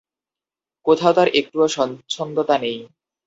কোথাও তার একটুও স্বচ্ছন্দতা নেই।